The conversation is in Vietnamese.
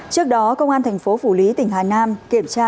trước đó công an tp phủ lý tỉnh hà nam kiểm tra